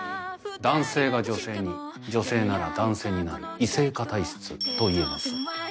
男性が女性に女性なら男性になる異性化体質といえます。